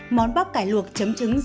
món bắp cải luộc chấm trứng dầm xì